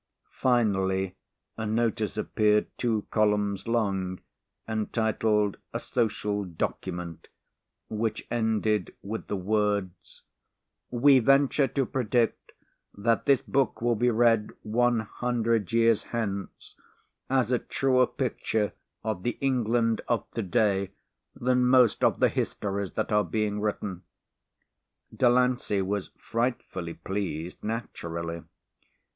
Finally, a notice appeared two columns long entitled "A Social Document" which ended with the words, "We venture to predict that this book will be read 100 years hence as a truer picture of the England of to day than most of the histories that are being written." Delancey was frightfully pleased, naturally.